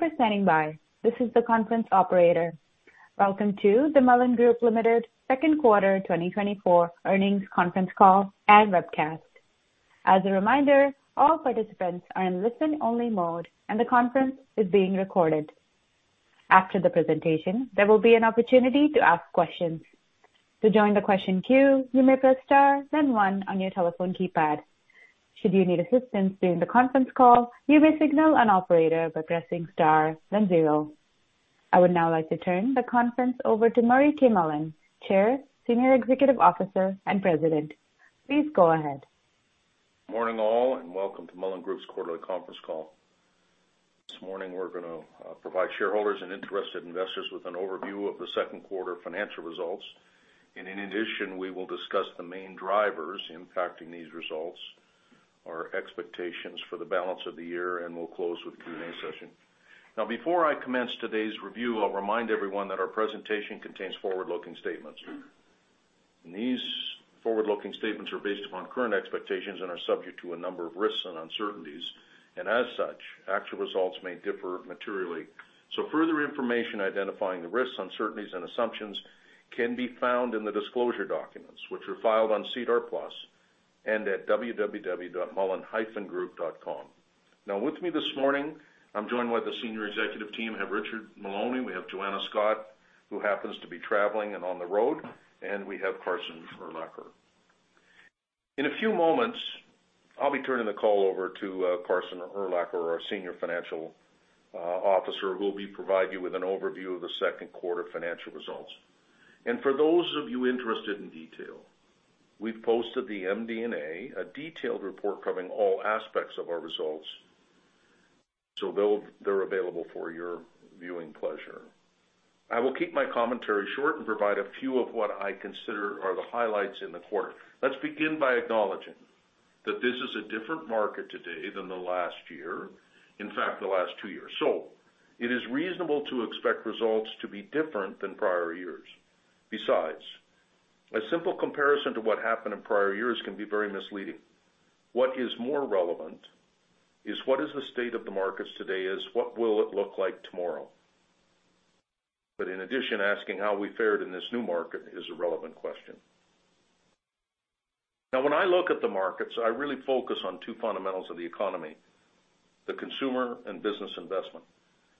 Thank you for standing by. This is the conference operator. Welcome to the Mullen Group Limited second quarter 2024 earnings conference call and Webcast. As a reminder, all participants are in listen-only mode, and the conference is being recorded. After the presentation, there will be an opportunity to ask questions. To join the question queue, you may press star, then one on your telephone keypad. Should you need assistance during the conference call, you may signal an operator by pressing star, then zero. I would now like to turn the conference over to Murray K. Mullen, Chair, Senior Executive Officer, and President. Please go ahead. Good morning, all, and welcome to Mullen Group's quarterly conference call. This morning, we're gonna provide shareholders and interested investors with an overview of the second quarter financial results. In addition, we will discuss the main drivers impacting these results, our expectations for the balance of the year, and we'll close with the Q&A session. Now, before I commence today's review, I'll remind everyone that our presentation contains forward-looking statements. These forward-looking statements are based upon current expectations and are subject to a number of risks and uncertainties, and as such, actual results may differ materially. Further information identifying the risks, uncertainties, and assumptions can be found in the disclosure documents, which are filed on SEDAR+ and at www.mullen-group.com. Now, with me this morning, I'm joined by the senior executive team. We have Richard Maloney, we have Joanna Scott, who happens to be traveling and on the road, and we have Carson Urlacher. In a few moments, I'll be turning the call over to Carson Urlacher, our Senior Financial Officer, who will be providing you with an overview of the second quarter financial results. And for those of you interested in detail, we've posted the MD&A, a detailed report covering all aspects of our results, so they're available for your viewing pleasure. I will keep my commentary short and provide a few of what I consider are the highlights in the quarter. Let's begin by acknowledging that this is a different market today than the last year, in fact, the last two years. So it is reasonable to expect results to be different than prior years. Besides, a simple comparison to what happened in prior years can be very misleading. What is more relevant is what is the state of the markets today, is what will it look like tomorrow? But in addition, asking how we fared in this new market is a relevant question. Now, when I look at the markets, I really focus on two fundamentals of the economy: the consumer and business investment.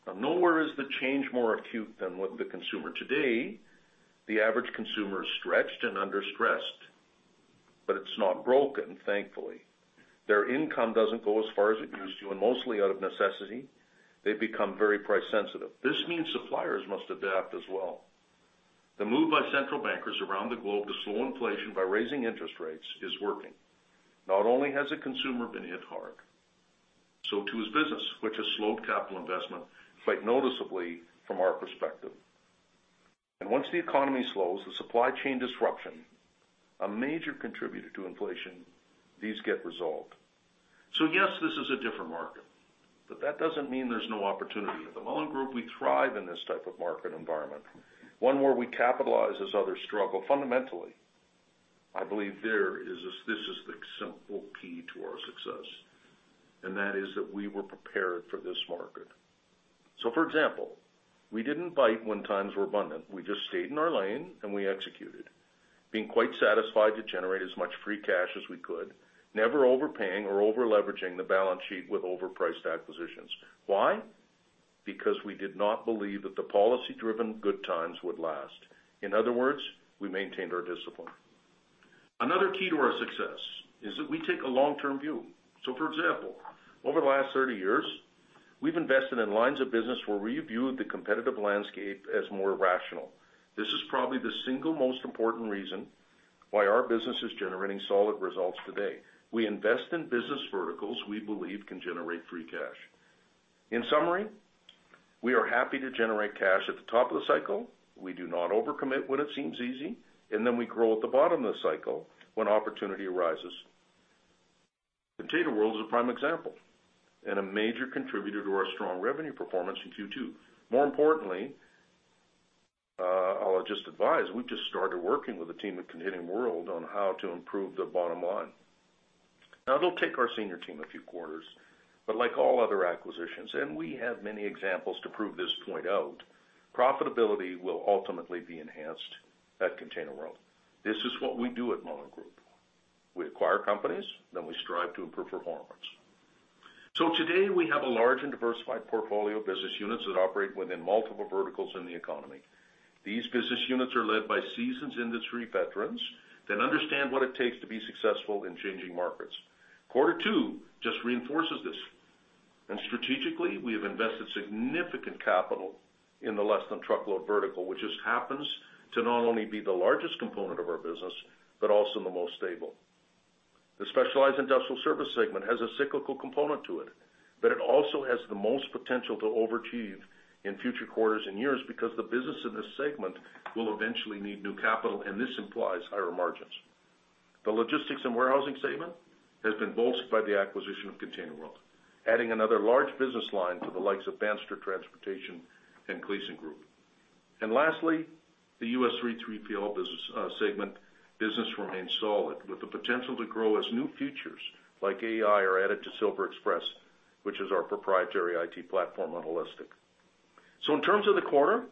Now, nowhere is the change more acute than with the consumer. Today, the average consumer is stretched and under stressed, but it's not broken, thankfully. Their income doesn't go as far as it used to, and mostly out of necessity, they've become very price sensitive. This means suppliers must adapt as well. The move by central bankers around the globe to slow inflation by raising interest rates is working. Not only has the consumer been hit hard, so too is business, which has slowed capital investment quite noticeably from our perspective. Once the economy slows, the supply chain disruption, a major contributor to inflation, these get resolved. So yes, this is a different market, but that doesn't mean there's no opportunity. At the Mullen Group, we thrive in this type of market environment, one where we capitalize as others struggle. Fundamentally, I believe this is the simple key to our success, and that is that we were prepared for this market. So, for example, we didn't bite when times were abundant. We just stayed in our lane and we executed, being quite satisfied to generate as much free cash as we could, never overpaying or over-leveraging the balance sheet with overpriced acquisitions. Why? Because we did not believe that the policy-driven good times would last. In other words, we maintained our discipline. Another key to our success is that we take a long-term view. So for example, over the last 30 years, we've invested in lines of business where we viewed the competitive landscape as more rational. This is probably the single most important reason why our business is generating solid results today. We invest in business verticals we believe can generate free cash. In summary, we are happy to generate cash at the top of the cycle. We do not overcommit when it seems easy, and then we grow at the bottom of the cycle when opportunity arises. ContainerWorld is a prime example and a major contributor to our strong revenue performance in Q2. More importantly, I'll just advise, we've just started working with a team at ContainerWorld on how to improve their bottom line. Now, it'll take our senior team a few quarters, but like all other acquisitions, and we have many examples to prove this point out, profitability will ultimately be enhanced at ContainerWorld. This is what we do at Mullen Group. We acquire companies, then we strive to improve performance. So today, we have a large and diversified portfolio of business units that operate within multiple verticals in the economy. These business units are led by seasoned industry veterans that understand what it takes to be successful in changing markets. Quarter two just reinforces this, and strategically, we have invested significant capital in the less-than-truckload vertical, which just happens to not only be the largest component of our business, but also the most stable. The specialized industrial service segment has a cyclical component to it, but it also has the most potential to overachieve in future quarters and years because the business in this segment will eventually need new capital, and this implies higher margins. The logistics and warehousing segment has been bolstered by the acquisition of ContainerWorld, adding another large business line to the likes of Bandstra Transportation and Kleysen Group.... And lastly, the US 3PL business, segment business remains solid, with the potential to grow as new features like AI are added to SilverExpress, which is our proprietary IT platform on Haulistic. So in terms of the quarter,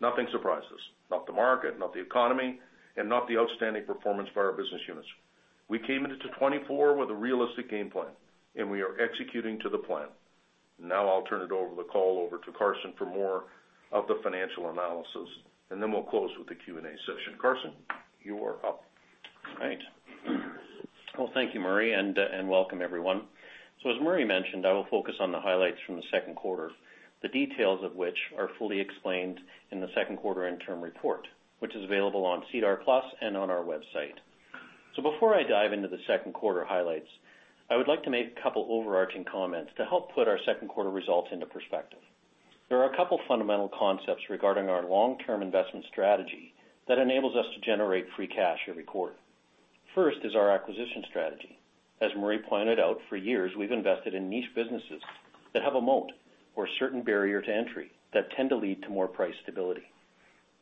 nothing surprised us. Not the market, not the economy, and not the outstanding performance by our business units. We came into 2024 with a realistic game plan, and we are executing to the plan. Now I'll turn the call over to Carson for more of the financial analysis, and then we'll close with the Q&A session. Carson, you are up. All right. Well, thank you, Murray, and welcome everyone. So as Murray mentioned, I will focus on the highlights from the second quarter, the details of which are fully explained in the second quarter interim report, which is available on SEDAR+ and on our website. So before I dive into the second quarter highlights, I would like to make a couple overarching comments to help put our second quarter results into perspective. There are a couple fundamental concepts regarding our long-term investment strategy that enables us to generate free cash every quarter. First is our acquisition strategy. As Murray pointed out, for years, we've invested in niche businesses that have a moat or certain barrier to entry that tend to lead to more price stability.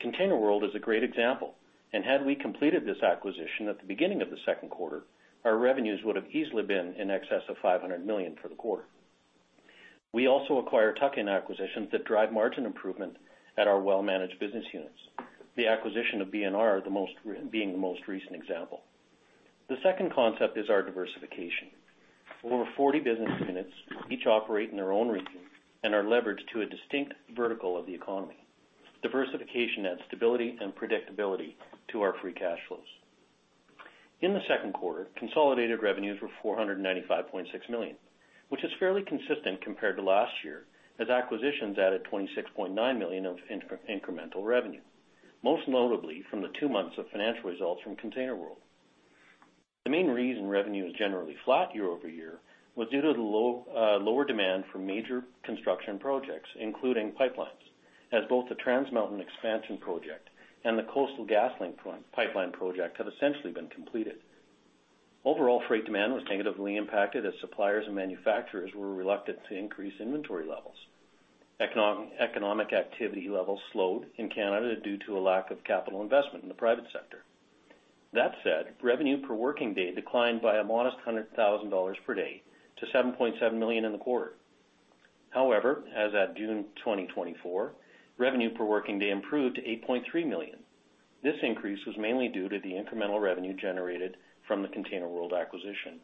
ContainerWorld is a great example, and had we completed this acquisition at the beginning of the second quarter, our revenues would have easily been in excess of 500 million for the quarter. We also acquire tuck-in acquisitions that drive margin improvement at our well-managed business units. The acquisition of B&R are the most-- being the most recent example. The second concept is our diversification. Over 40 business units, each operate in their own region and are leveraged to a distinct vertical of the economy. Diversification adds stability and predictability to our free cash flows. In the second quarter, consolidated revenues were 495.6 million, which is fairly consistent compared to last year, as acquisitions added 26.9 million of incremental revenue, most notably from the two months of financial results from ContainerWorld. The main reason revenue is generally flat year-over-year was due to the lower demand for major construction projects, including pipelines, as both the Trans Mountain Expansion Project and the Coastal GasLink pipeline project have essentially been completed. Overall, freight demand was negatively impacted as suppliers and manufacturers were reluctant to increase inventory levels. Economic activity levels slowed in Canada due to a lack of capital investment in the private sector. That said, revenue per working day declined by a modest 100,000 dollars per day to 7.7 million in the quarter. However, as at June 2024, revenue per working day improved to 8.3 million. This increase was mainly due to the incremental revenue generated from the ContainerWorld acquisition.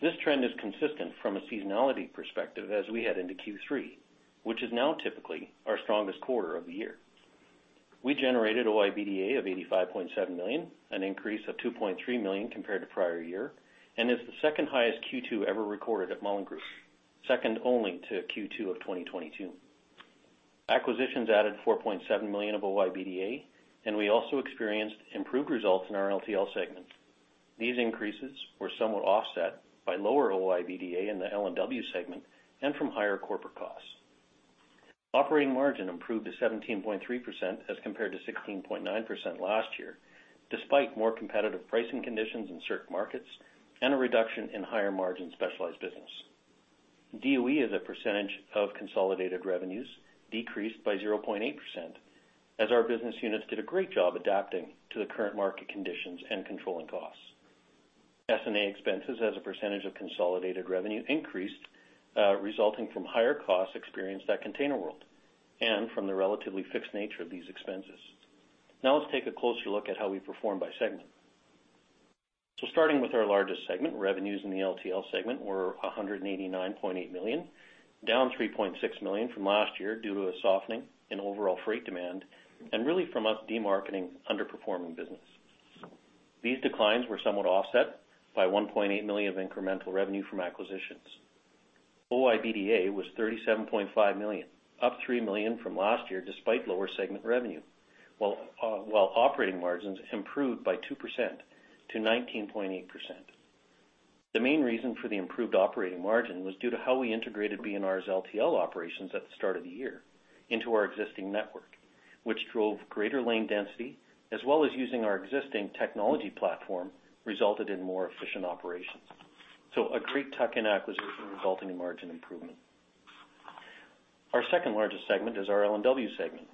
This trend is consistent from a seasonality perspective as we head into Q3, which is now typically our strongest quarter of the year. We generated OIBDA of 85.7 million, an increase of 2.3 million compared to prior year, and is the second highest Q2 ever recorded at Mullen Group, second only to Q2 of 2022. Acquisitions added 4.7 million of OIBDA, and we also experienced improved results in our LTL segment. These increases were somewhat offset by lower OIBDA in the L&W segment and from higher corporate costs. Operating margin improved to 17.3% as compared to 16.9% last year, despite more competitive pricing conditions in certain markets and a reduction in higher-margin specialized business. DOE, as a percentage of consolidated revenues, decreased by 0.8%, as our business units did a great job adapting to the current market conditions and controlling costs. S&A expenses as a percentage of consolidated revenue increased, resulting from higher costs experienced at ContainerWorld and from the relatively fixed nature of these expenses. Now, let's take a closer look at how we performed by segment. So starting with our largest segment, revenues in the LTL segment were 189.8 million, down 3.6 million from last year due to a softening in overall freight demand and really from us demarketing underperforming business. These declines were somewhat offset by 1.8 million of incremental revenue from acquisitions. OIBDA was 37.5 million, up 3 million from last year, despite lower segment revenue, while operating margins improved by 2% to 19.8%. The main reason for the improved operating margin was due to how we integrated B&R's LTL operations at the start of the year into our existing network, which drove greater lane density, as well as using our existing technology platform, resulted in more efficient operations. So a great tuck-in acquisition resulting in margin improvement. Our second largest segment is our L&W segment.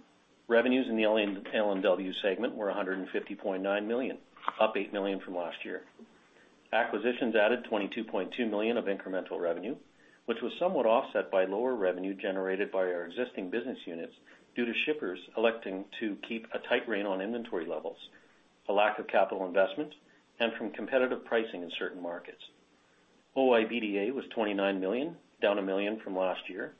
Revenues in the L&W segment were 150.9 million, up 8 million from last year. Acquisitions added 22.2 million of incremental revenue, which was somewhat offset by lower revenue generated by our existing business units due to shippers electing to keep a tight rein on inventory levels, a lack of capital investment, and from competitive pricing in certain markets. OIBDA was 29 million, down 1 million from last year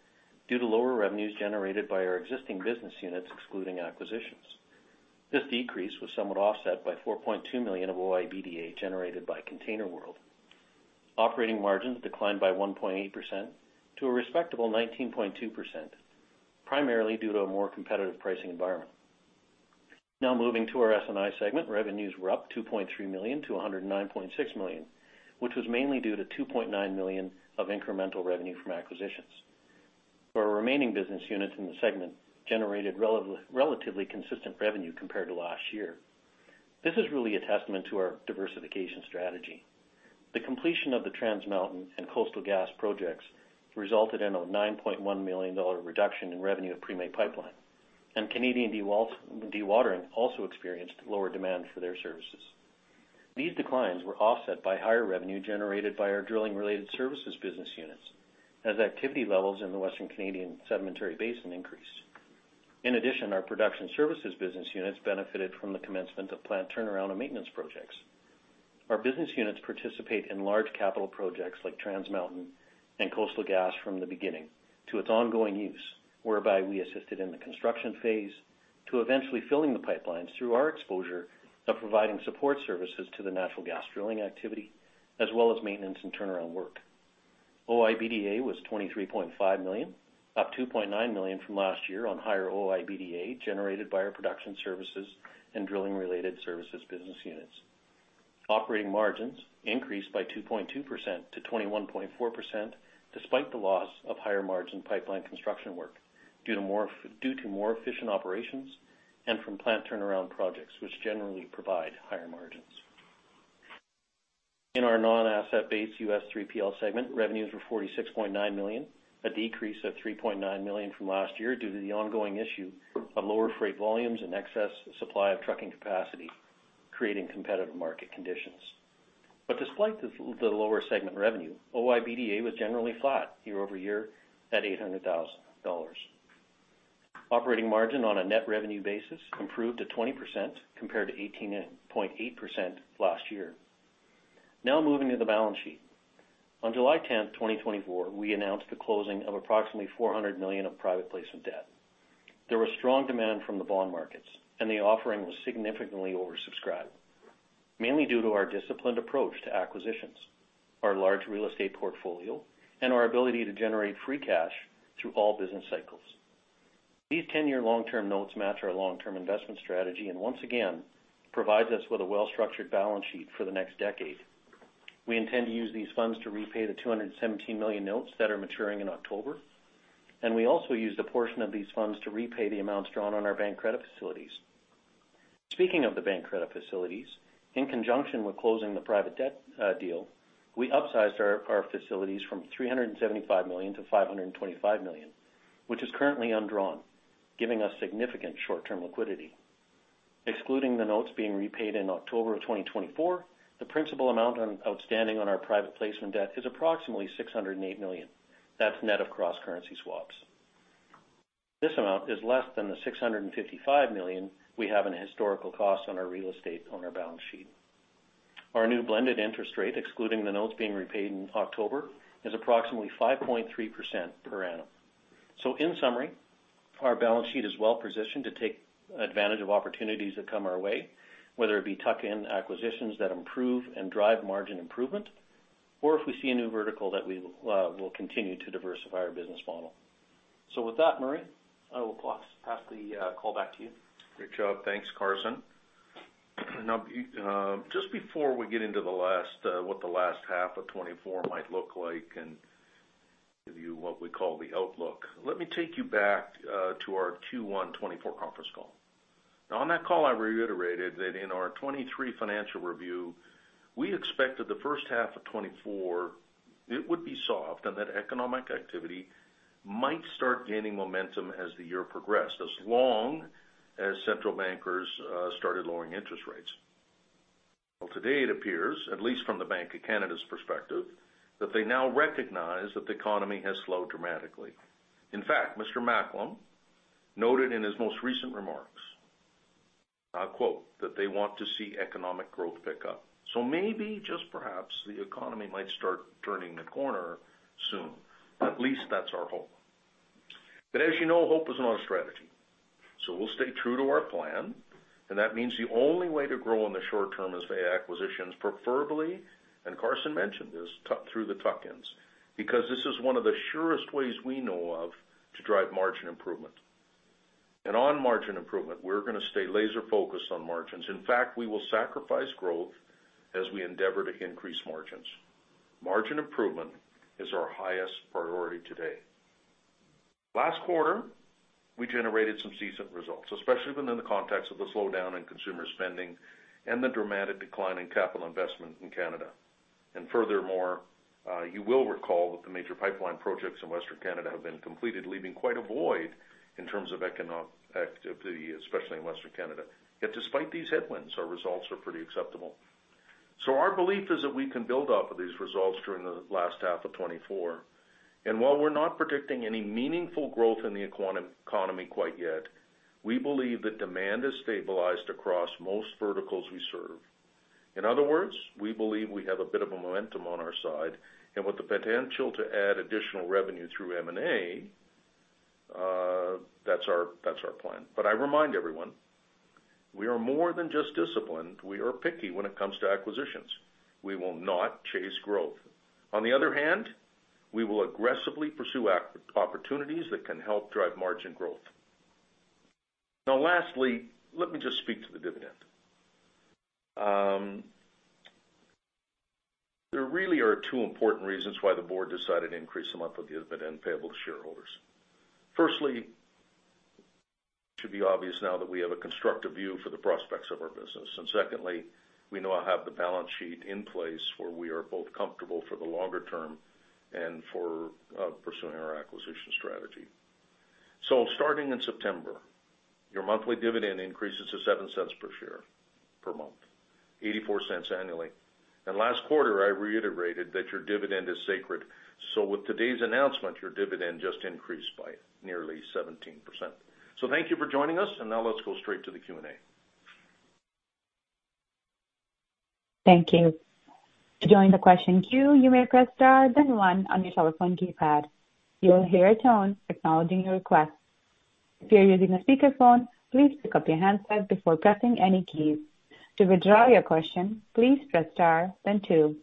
due to lower revenues generated by our existing business units, excluding acquisitions. This decrease was somewhat offset by 4.2 million of OIBDA generated by ContainerWorld. Operating margins declined by 1.8% to a respectable 19.2%, primarily due to a more competitive pricing environment. Now, moving to our S&I segment, revenues were up 2.3 million to 109.6 million, which was mainly due to 2.9 million of incremental revenue from acquisitions. Our remaining business units in the segment generated relatively consistent revenue compared to last year. This is really a testament to our diversification strategy. The completion of the Trans Mountain and Coastal GasLink projects resulted in a 9.1 million dollar reduction in revenue of Premay Pipeline, and Canadian Dewatering also experienced lower demand for their services. These declines were offset by higher revenue generated by our drilling-related services business units, as activity levels in the Western Canadian Sedimentary Basin increased. In addition, our production services business units benefited from the commencement of plant turnaround and maintenance projects. Our business units participate in large capital projects like Trans Mountain and Coastal GasLink from the beginning to its ongoing use, whereby we assisted in the construction phase to eventually filling the pipelines through our exposure of providing support services to the natural gas drilling activity, as well as maintenance and turnaround work. OIBDA was 23.5 million, up 2.9 million from last year on higher OIBDA generated by our production services and drilling-related services business units. Operating margins increased by 2.2% to 21.4%, despite the loss of higher-margin pipeline construction work, due to more efficient operations and from plant turnaround projects, which generally provide higher margins. In our non-asset-based U.S. 3PL segment, revenues were 46.9 million, a decrease of 3.9 million from last year due to the ongoing issue of lower freight volumes and excess supply of trucking capacity, creating competitive market conditions. But despite the lower segment revenue, OIBDA was generally flat year-over-year at 800,000 dollars. Operating margin on a net revenue basis improved to 20%, compared to 18.8% last year. Now moving to the balance sheet. On July 10th, 2024, we announced the closing of approximately 400 million of private placement debt. There was strong demand from the bond markets, and the offering was significantly oversubscribed, mainly due to our disciplined approach to acquisitions, our large real estate portfolio, and our ability to generate free cash through all business cycles. These 10-year long-term notes match our long-term investment strategy, and once again, provides us with a well-structured balance sheet for the next decade. We intend to use these funds to repay the 217 million notes that are maturing in October, and we also used a portion of these funds to repay the amounts drawn on our bank credit facilities. Speaking of the bank credit facilities, in conjunction with closing the private debt deal, we upsized our facilities from 375 million to 525 million, which is currently undrawn, giving us significant short-term liquidity. Excluding the notes being repaid in October of 2024, the principal amount outstanding on our private placement debt is approximately 608 million. That's net of cross-currency swaps. This amount is less than the 655 million we have in historical costs on our real estate on our balance sheet. Our new blended interest rate, excluding the notes being repaid in October, is approximately 5.3% per annum. So in summary, our balance sheet is well positioned to take advantage of opportunities that come our way, whether it be tuck-in acquisitions that improve and drive margin improvement, or if we see a new vertical that we will continue to diversify our business model. So with that, Murray, I will pass the call back to you. Great job. Thanks, Carson. Now, just before we get into the last, what the last half of 2024 might look like and give you what we call the outlook, let me take you back, to our Q1 2024 conference call. Now, on that call, I reiterated that in our 2023 financial review, we expected the first half of 2024, it would be soft, and that economic activity might start gaining momentum as the year progressed, as long as central bankers, started lowering interest rates. Well, today it appears, at least from the Bank of Canada's perspective, that they now recognize that the economy has slowed dramatically. In fact, Mr. Macklem noted in his most recent remarks, I quote, "That they want to see economic growth pick up." So maybe, just perhaps, the economy might start turning the corner soon. At least that's our hope. But as you know, hope is not a strategy. So we'll stay true to our plan, and that means the only way to grow in the short term is via acquisitions, preferably, and Carson mentioned this, through the tuck-ins, because this is one of the surest ways we know of to drive margin improvement. And on margin improvement, we're gonna stay laser focused on margins. In fact, we will sacrifice growth as we endeavor to increase margins. Margin improvement is our highest priority today. Last quarter, we generated some decent results, especially within the context of the slowdown in consumer spending and the dramatic decline in capital investment in Canada. And furthermore, you will recall that the major pipeline projects in Western Canada have been completed, leaving quite a void in terms of economic activity, especially in Western Canada. Yet despite these headwinds, our results are pretty acceptable. So our belief is that we can build off of these results during the last half of 2024. And while we're not predicting any meaningful growth in the economy quite yet, we believe that demand has stabilized across most verticals we serve. In other words, we believe we have a bit of a momentum on our side, and with the potential to add additional revenue through M&A, that's our, that's our plan. But I remind everyone, we are more than just disciplined. We are picky when it comes to acquisitions. We will not chase growth. On the other hand, we will aggressively pursue opportunities that can help drive margin growth. Now lastly, let me just speak to the dividend. There really are two important reasons why the board decided to increase the monthly dividend payable to shareholders. Firstly, it should be obvious now that we have a constructive view for the prospects of our business. Secondly, we now have the balance sheet in place where we are both comfortable for the longer term and for pursuing our acquisition strategy. So starting in September, your monthly dividend increases to 0.07 per share per month, 0.84 annually. And last quarter, I reiterated that your dividend is sacred. So with today's announcement, your dividend just increased by nearly 17%. So thank you for joining us, and now let's go straight to the Q&A. Thank you. To join the question queue, you may press star then one on your telephone keypad. You'll hear a tone acknowledging your request. If you're using a speakerphone, please pick up your handset before pressing any keys. To withdraw your question, please press star then two.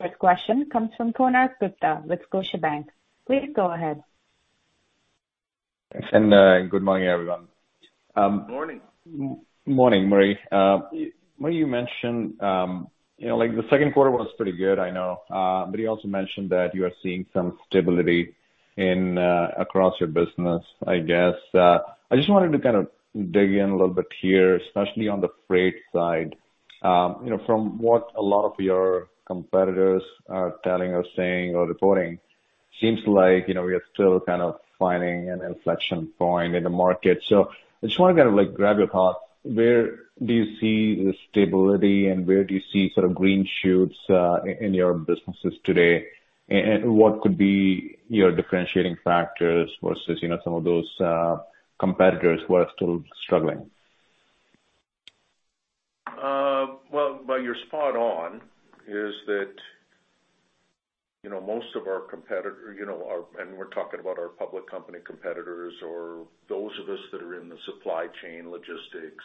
First question comes from Konark Gupta with Scotiabank. Please go ahead. Thanks, and good morning, everyone. Morning. Morning, Murray. When you mentioned, you know, like, the second quarter was pretty good, I know. But you also mentioned that you are seeing some stability in across your business, I guess. I just wanted to kind of dig in a little bit here, especially on the freight side. You know, from what a lot of your competitors are telling or saying or reporting, seems like, you know, we are still kind of finding an inflection point in the market. So I just wanna kind of, like, grab your thoughts. Where do you see the stability, and where do you see sort of green shoots in your businesses today? And what could be your differentiating factors versus, you know, some of those competitors who are still struggling? Well, but you're spot on, is that, you know, most of our competitor, you know, our-- and we're talking about our public company competitors or those of us that are in the supply chain, logistics,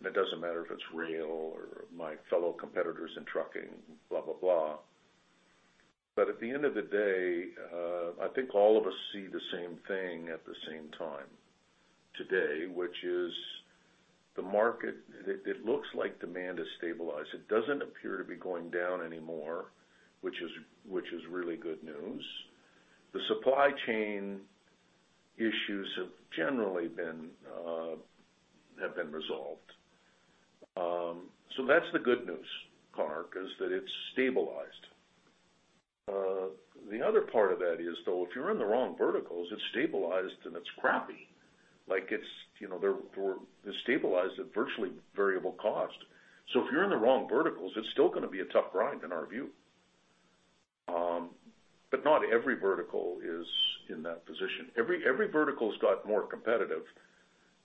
and it doesn't matter if it's rail or my fellow competitors in trucking, blah, blah, blah. But at the end of the day, I think all of us see the same thing at the same time today, which is the market, it, it looks like demand has stabilized. It doesn't appear to be going down anymore, which is, which is really good news. The supply chain issues have generally been, have been resolved. So that's the good news, Konark, is that it's stabilized. The other part of that is, though, if you're in the wrong verticals, it's stabilized and it's crappy. Like it's, you know, they're, we're—it's stabilized at virtually variable cost. So if you're in the wrong verticals, it's still gonna be a tough grind, in our view. But not every vertical is in that position. Every vertical's got more competitive,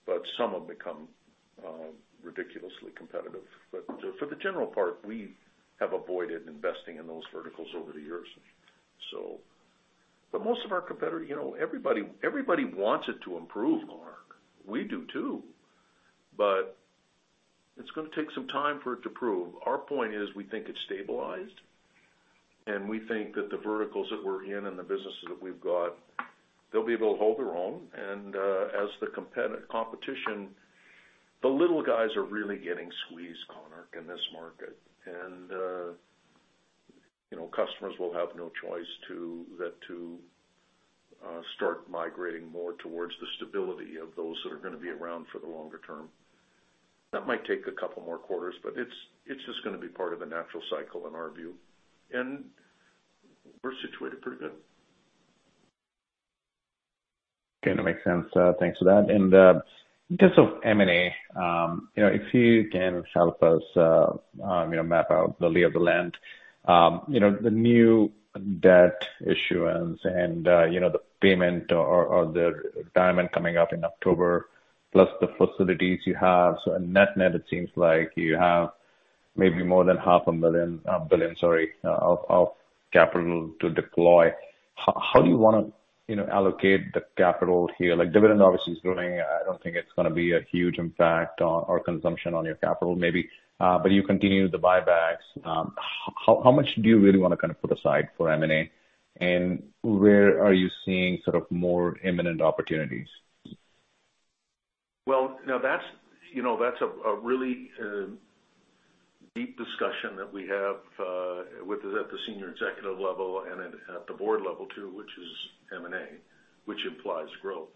but some have become ridiculously competitive. But for the general part, we have avoided investing in those verticals over the years. So. But most of our competitor, you know, everybody wants it to improve, Konark. We do, too, but it's gonna take some time for it to prove. Our point is, we think it's stabilized, and we think that the verticals that we're in and the businesses that we've got, they'll be able to hold their own. And as the competition, the little guys are really getting squeezed, Konark, in this market. You know, customers will have no choice but to start migrating more towards the stability of those that are gonna be around for the longer term. That might take a couple more quarters, but it's just gonna be part of the natural cycle in our view, and we're situated pretty good. Okay, that makes sense. Thanks for that. And in terms of M&A, you know, if you can help us, you know, map out the lay of the land. You know, the new debt issuance and, you know, the payment or, or, or the dividend coming up in October, plus the facilities you have. So net-net, it seems like you have maybe more than 500 million of capital to deploy. How do you wanna, you know, allocate the capital here? Like, dividend obviously is growing. I don't think it's gonna be a huge impact on or consumption on your capital, maybe, but you continue the buybacks. How much do you really wanna kind of put aside for M&A, and where are you seeing sort of more imminent opportunities? Well, now, that's, you know, that's a, a really, deep discussion that we have, with us at the senior executive level and at, at the board level, too, which is M&A, which implies growth.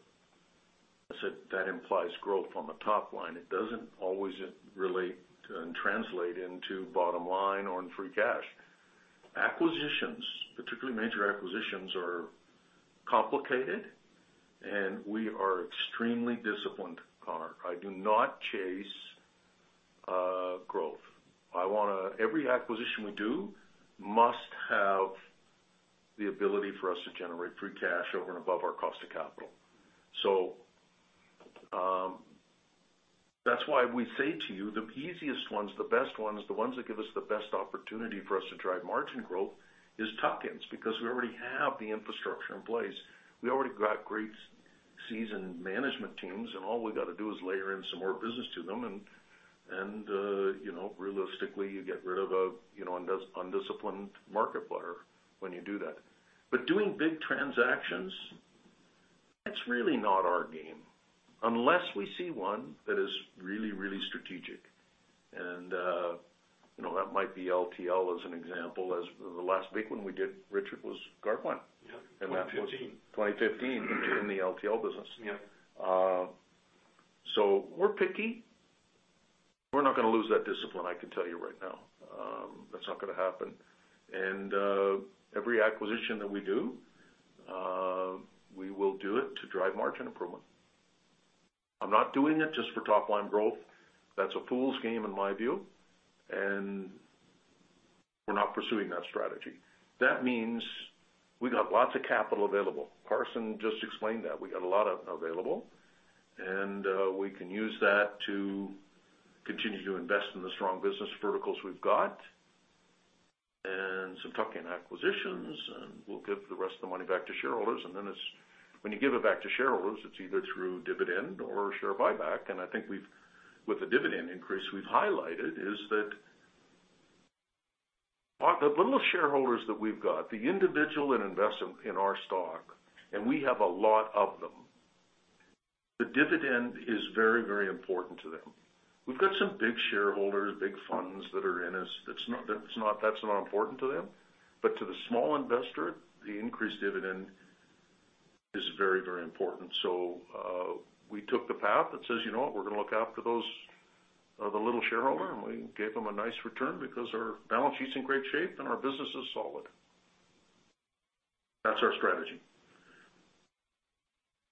I said that implies growth on the top line. It doesn't always relate and translate into bottom line or in free cash. Acquisitions, particularly major acquisitions, are complicated, and we are extremely disciplined, Konark. I do not chase, growth. I wanna-- every acquisition we do must have the ability for us to generate free cash over and above our cost of capital. So, that's why we say to you, the easiest ones, the best ones, the ones that give us the best opportunity for us to drive margin growth is tuck-ins, because we already have the infrastructure in place. We already got great seasoned management teams, and all we've got to do is layer in some more business to them, and, and, you know, realistically, you get rid of a, you know, undisciplined market buyer when you do that. But doing big transactions. That's really not our game, unless we see one that is really, really strategic. And, you know, that might be LTL, as an example, as the last big one we did, Richard, was Gardewine. Yeah, 2015. 2015, in the LTL business. Yeah. So we're picky. We're not gonna lose that discipline, I can tell you right now. That's not gonna happen. And every acquisition that we do, we will do it to drive margin improvement. I'm not doing it just for top line growth. That's a fool's game, in my view, and we're not pursuing that strategy. That means we've got lots of capital available. Carson just explained that. We got a lot of available, and we can use that to continue to invest in the strong business verticals we've got, and some tuck-in acquisitions, and we'll give the rest of the money back to shareholders. And then it's, when you give it back to shareholders, it's either through dividend or share buyback. And I think we've with the dividend increase, we've highlighted, is that on the little shareholders that we've got, the individual investors in our stock, and we have a lot of them, the dividend is very, very important to them. We've got some big shareholders, big funds that are in us. That's not, that's not, that's not important to them. But to the small investor, the increased dividend is very, very important. So, we took the path that says, "You know what? We're gonna look after those, the little shareholder," and we gave them a nice return because our balance sheet's in great shape, and our business is solid. That's our strategy.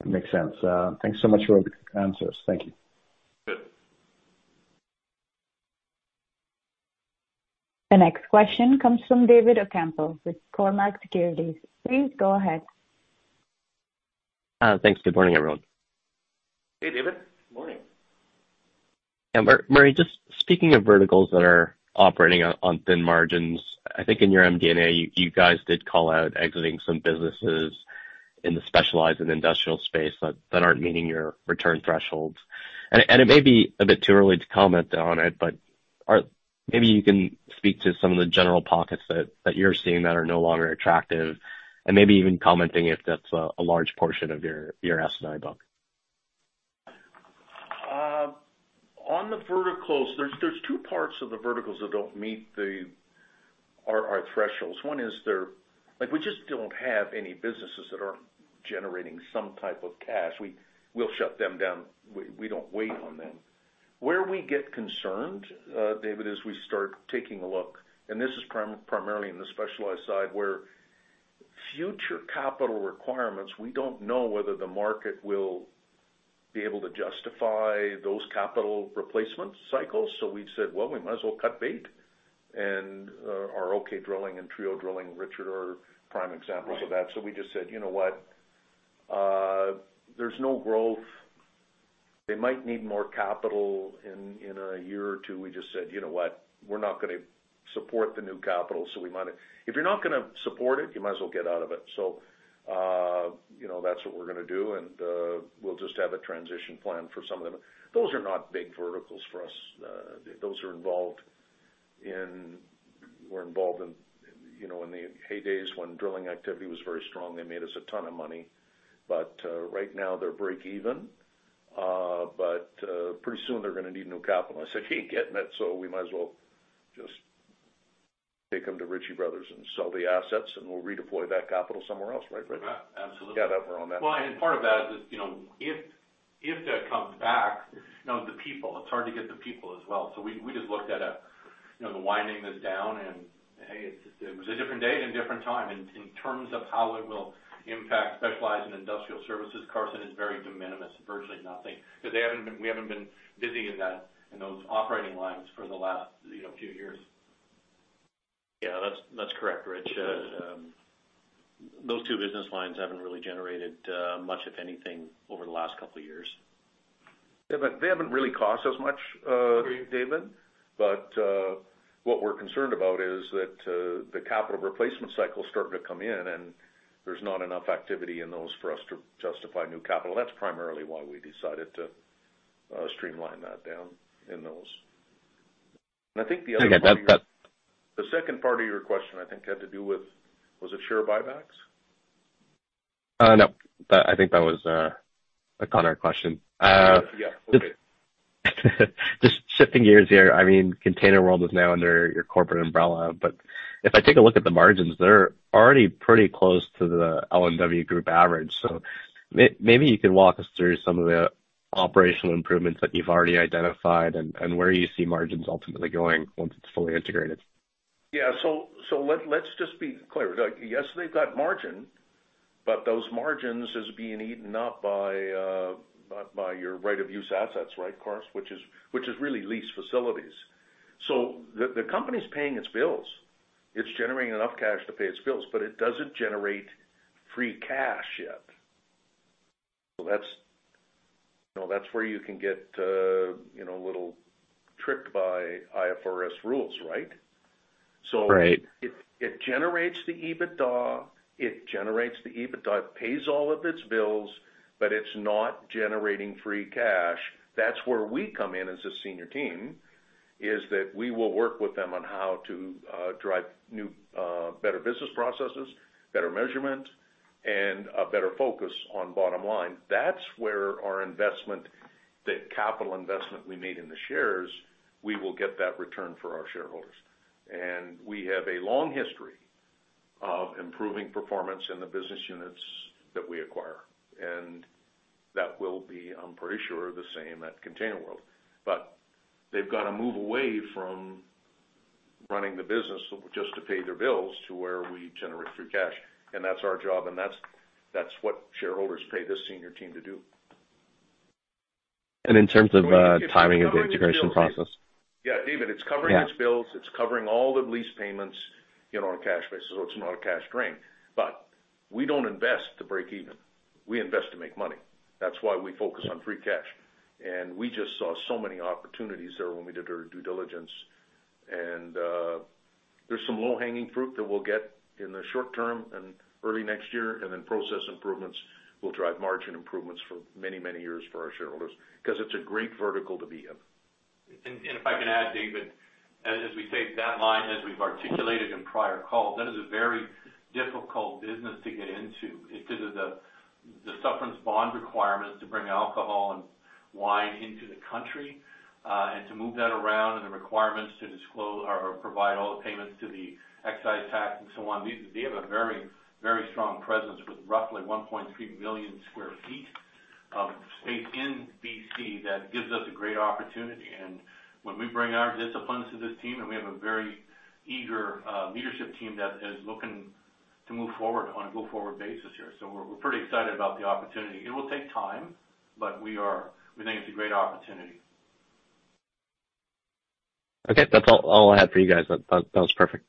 Makes sense. Thanks so much for your answers. Thank you. Good. The next question comes from David Ocampo with Cormark Securities. Please go ahead. Thanks. Good morning, everyone. Hey, David. Morning. Yeah, Murray, just speaking of verticals that are operating on thin margins, I think in your MD&A, you guys did call out exiting some businesses in the specialized and industrial space that aren't meeting your return thresholds. It may be a bit too early to comment on it, but maybe you can speak to some of the general pockets that you're seeing that are no longer attractive, and maybe even commenting if that's a large portion of your SNI book. On the verticals, there's two parts of the verticals that don't meet our thresholds. One is they're—like, we just don't have any businesses that aren't generating some type of cash. We'll shut them down. We don't wait on them. Where we get concerned, David, is we start taking a look, and this is primarily in the specialized side, where future capital requirements, we don't know whether the market will be able to justify those capital replacement cycles. So we've said, "Well, we might as well cut bait," and our OK Drilling and Treo Drilling, Richard, are prime examples of that. So we just said: You know what? There's no growth. They might need more capital in a year or two. We just said: You know what? We're not gonna support the new capital, so we might as well. If you're not gonna support it, you might as well get out of it. So, you know, that's what we're gonna do, and we'll just have a transition plan for some of them. Those are not big verticals for us. Those are involved in, were involved in, you know, in the heydays when drilling activity was very strong, they made us a ton of money, but right now they're break even. But pretty soon they're gonna need new capital. I said, "You ain't getting it, so we might as well just take them to Ritchie Bros. and sell the assets, and we'll redeploy that capital somewhere else." Right, Richard? Yeah, absolutely. Got out there on that. Well, and part of that is, you know, if that comes back, you know, the people, it's hard to get the people as well. So we just looked at it, you know, the winding this down, and hey, it was a different day and a different time. In terms of how it will impact specialized and industrial services, Carson, is very de minimis, virtually nothing, because they haven't been, we haven't been busy in that, in those operating lines for the last, you know, few years. Yeah, that's, that's correct, Rich. Those two business lines haven't really generated much of anything over the last couple of years. Yeah, but they haven't really cost us much, David. But, what we're concerned about is that, the capital replacement cycle is starting to come in, and there's not enough activity in those for us to justify new capital. That's primarily why we decided to, streamline that down in those. And I think the other part- That, that- The second part of your question, I think, had to do with, was it share buybacks? No. That, I think that was a Connor question. Yeah. Okay. Just shifting gears here. I mean, ContainerWorld is now under your corporate umbrella, but if I take a look at the margins, they're already pretty close to the Mullen Group average. So maybe you can walk us through some of the operational improvements that you've already identified and, and where you see margins ultimately going once it's fully integrated. Yeah, so let's just be clear. Yes, they've got margin, but those margins is being eaten up by by your right of use assets, right, Carson? Which is really lease facilities. So the company's paying its bills. It's generating enough cash to pay its bills, but it doesn't generate free cash yet. So that's, you know, that's where you can get a little tricked by IFRS rules, right? Right. So it, it generates the EBITDA, it generates the EBITDA, it pays all of its bills, but it's not generating free cash. That's where we come in as a senior team is that we will work with them on how to drive new better business processes, better measurement, and a better focus on bottom line. That's where our investment, the capital investment we made in the shares, we will get that return for our shareholders. And we have a long history of improving performance in the business units that we acquire, and that will be, I'm pretty sure, the same at ContainerWorld. But they've got to move away from running the business just to pay their bills to where we generate free cash, and that's our job, and that's what shareholders pay this senior team to do. In terms of timing of the integration process? Yeah, David, it's covering its bills. Yeah. It's covering all the lease payments, you know, on a cash basis, so it's not a cash drain. But we don't invest to break even. We invest to make money. That's why we focus on free cash. And we just saw so many opportunities there when we did our due diligence, and there's some low-hanging fruit that we'll get in the short term and early next year, and then process improvements will drive margin improvements for many, many years for our shareholders because it's a great vertical to be in. If I can add, David, as we say, that line, as we've articulated in prior calls, that is a very difficult business to get into because of the sufferance bond requirements to bring alcohol and wine into the country, and to move that around, and the requirements to disclose or provide all the payments to the excise tax and so on. These. They have a very, very strong presence with roughly 1.3 million sq ft of space in BC. That gives us a great opportunity, and when we bring our disciplines to this team, and we have a very eager leadership team that is looking to move forward on a go-forward basis here. So we're, we're pretty excited about the opportunity. It will take time, but we think it's a great opportunity. Okay. That's all I had for you guys. That was perfect.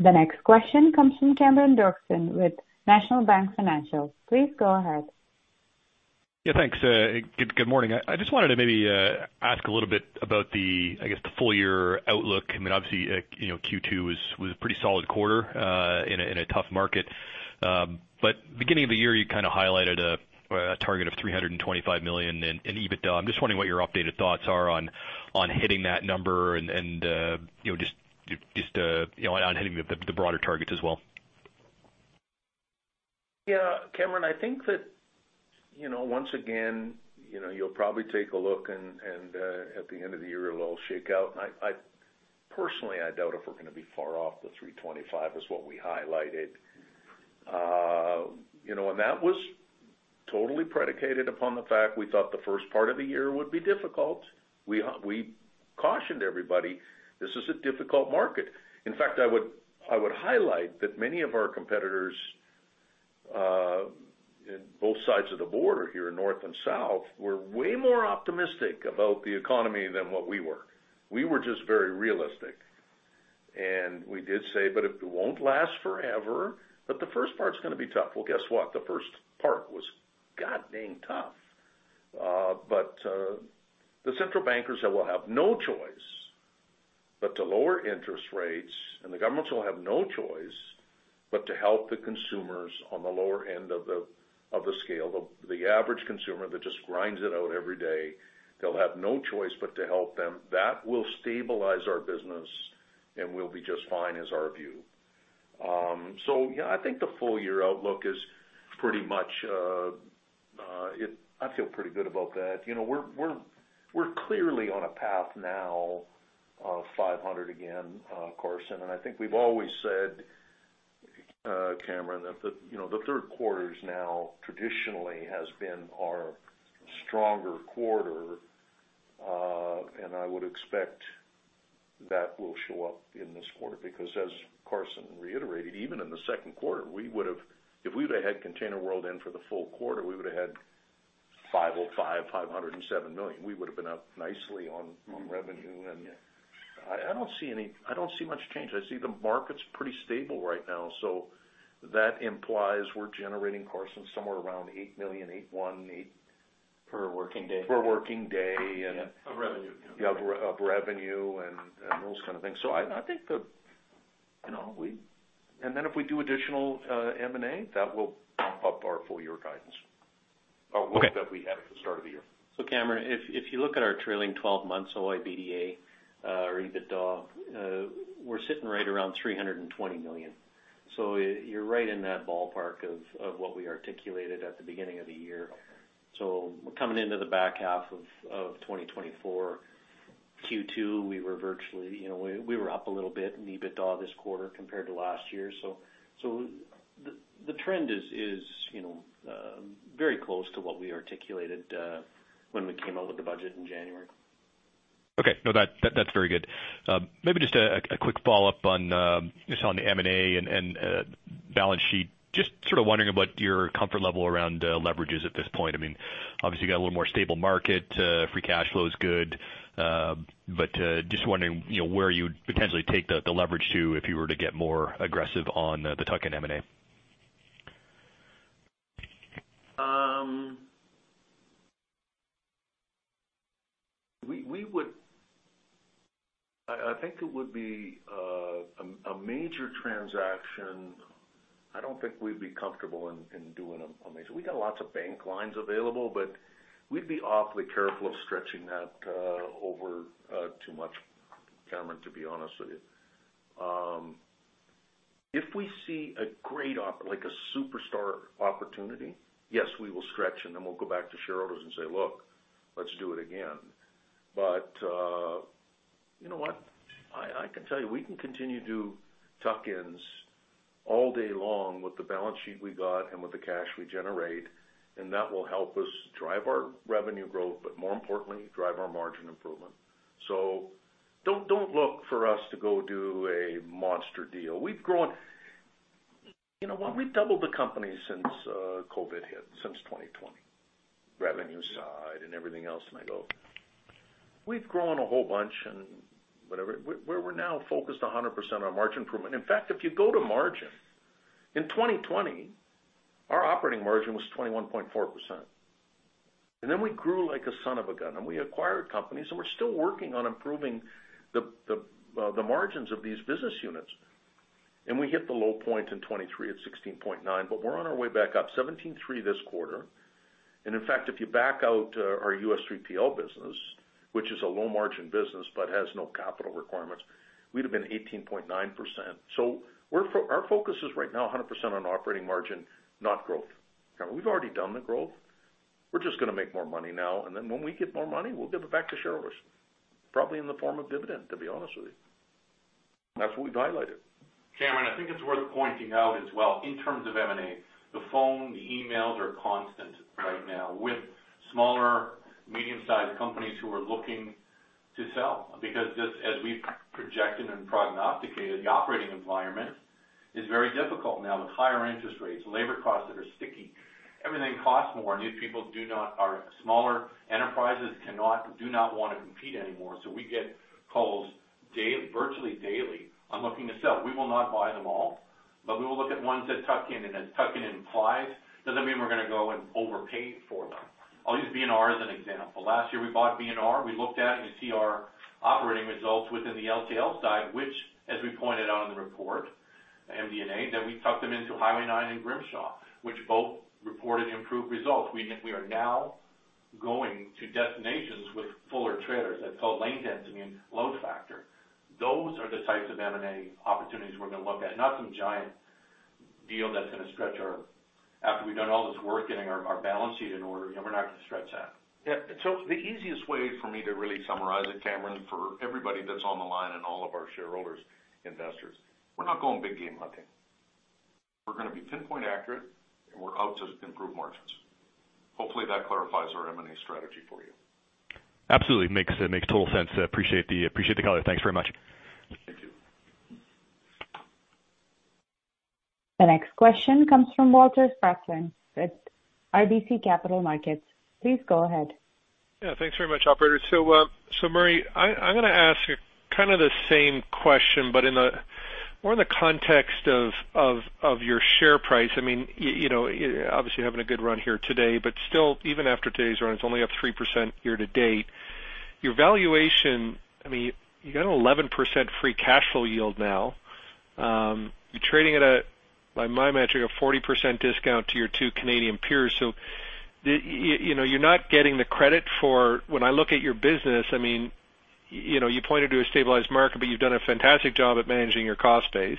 The next question comes from Cameron Doerksen with National Bank Financial. Please go ahead. Yeah, thanks. Good morning. I just wanted to maybe ask a little bit about the, I guess, the full year outlook. I mean, obviously, you know, Q2 was a pretty solid quarter in a tough market. But beginning of the year, you kind of highlighted a target of 325 million in EBITDA. I'm just wondering what your updated thoughts are on hitting that number and, you know, just on hitting the broader targets as well. Yeah, Cameron, I think that, you know, once again, you know, you'll probably take a look and at the end of the year, it'll all shake out. I personally, I doubt if we're gonna be far off the 325 is what we highlighted. You know, and that was totally predicated upon the fact we thought the first part of the year would be difficult. We cautioned everybody, this is a difficult market. In fact, I would highlight that many of our competitors in both sides of the border here, north and south, were way more optimistic about the economy than what we were. We were just very realistic, and we did say, "But it won't last forever, but the first part's gonna be tough." Well, guess what? The first part was goddang tough. But the central bankers will have no choice but to lower interest rates, and the governments will have no choice but to help the consumers on the lower end of the scale, the average consumer that just grinds it out every day, they'll have no choice but to help them. That will stabilize our business, and we'll be just fine, is our view. So yeah, I think the full year outlook is pretty much, I feel pretty good about that. You know, we're clearly on a path now of 500 again, Carson, and I think we've always said, Cameron, that you know, the third quarter is now traditionally has been our stronger quarter. And I would expect that will show up in this quarter, because as Carson reiterated, even in the second quarter, we would have, if we'd have had ContainerWorld in for the full quarter, we would have had 505 million-507 million. We would have been up nicely on revenue. I don't see much change. I see the market's pretty stable right now, so that implies we're generating, Carson, somewhere around 8 million, 81, 8- Per working day. Per working day, and- Of revenue. Yeah, of revenue and those kind of things. So I think the... You know, we and then if we do additional M&A, that will bump up our full year guidance or work that we had at the start of the year. So, Cameron, if you look at our trailing twelve months OIBDA or EBITDA, we're sitting right around 320 million. So you're right in that ballpark of what we articulated at the beginning of the year. So we're coming into the back half of 2024. Q2, we were virtually, you know, we were up a little bit in EBITDA this quarter compared to last year. So the trend is, you know, very close to what we articulated when we came out with the budget in January. Okay. No, that, that's very good. Maybe just a quick follow-up on just on the M&A and balance sheet. Just sort of wondering about your comfort level around leverages at this point. I mean, obviously, you got a little more stable market, free cash flow is good, but just wondering, you know, where you'd potentially take the leverage to, if you were to get more aggressive on the tuck in M&A. I think it would be a major transaction. I don't think we'd be comfortable in doing a major. We got lots of bank lines available, but we'd be awfully careful of stretching that over too much, Cameron, to be honest with you. If we see a great opportunity like a superstar opportunity, yes, we will stretch, and then we'll go back to shareholders and say, "Look, let's do it again." But, you know what? I can tell you, we can continue to do tuck-ins all day long with the balance sheet we got and with the cash we generate, and that will help us drive our revenue growth, but more importantly, drive our margin improvement. So don't look for us to go do a monster deal. We've grown... You know what? We've doubled the company since COVID hit, since 2020, revenue side and everything else, and I go, we've grown a whole bunch and whatever. We're now focused 100% on margin improvement. In fact, if you go to margin, in 2020, our operating margin was 21.4%, and then we grew like a son of a gun, and we acquired companies, and we're still working on improving the margins of these business units. We hit the low point in 2023 at 16.9%, but we're on our way back up, 17.3% this quarter. In fact, if you back out our U.S. 3PL business, which is a low-margin business but has no capital requirements, we'd have been 18.9%. So we're—our focus is right now 100% on operating margin, not growth. Now, we've already done the growth. We're just gonna make more money now, and then when we get more money, we'll give it back to shareholders, probably in the form of dividend, to be honest with you. That's what we've highlighted. Cameron, I think it's worth pointing out as well, in terms of M&A, the phone, the emails are constant right now with smaller, medium-sized companies who are looking to sell, because just as we've projected and prognosticated, the operating environment is very difficult now with higher interest rates, labor costs that are sticky. Everything costs more, and if people do not—our smaller enterprises cannot, do not want to compete anymore. So we get calls daily—virtually daily on looking to sell. We will not buy them all, but we will look at ones that tuck in, and as tuck in implies, doesn't mean we're gonna go and overpay for them. I'll use B&R as an example. Last year, we bought B&R. We looked at it, and you see our operating results within the LTL side, which, as we pointed out in the report, MD&A, that we tucked them into Hi-Way 9 and Grimshaw, which both reported improved results. We are now going to destinations with fuller trailers. That's called lane dancing and load factor. Those are the types of M&A opportunities we're gonna look at, not some giant deal that's gonna stretch our balance sheet after we've done all this work getting our balance sheet in order, you know, we're not gonna stretch that. Yeah, so the easiest way for me to really summarize it, Cameron, for everybody that's on the line and all of our shareholders, investors, we're not going big game hunting. We're gonna be pinpoint accurate, and we're out to improve margins. Hopefully, that clarifies our M&A strategy for you. Absolutely. Makes total sense. I appreciate the color. Thanks very much. Thank you. The next question comes from Walter Spracklin with RBC Capital Markets. Please go ahead. Yeah, thanks very much, operator. So, Murray, I'm gonna ask you kind of the same question, but in a more in the context of your share price. I mean, you know, obviously, you're having a good run here today, but still, even after today's run, it's only up 3% year to date. Your valuation, I mean, you got an 11% free cash flow yield now. You're trading at a, by my metric, a 40% discount to your two Canadian peers. So, you know, you're not getting the credit for... When I look at your business, I mean, you know, you pointed to a stabilized market, but you've done a fantastic job at managing your cost base.